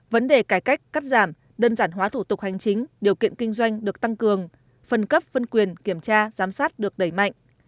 vấn đề cải cách cắt giảm đơn giản hóa thủ tục hành chính điều kiện kinh doanh được tăng cường phân cấp phân quyền kiểm tra giám sát được đẩy mạnh